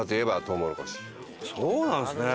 そうなんですね。